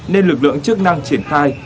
nên lực lượng chức năng triển khai